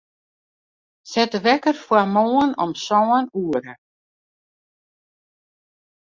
Set de wekker foar moarn om sân oere.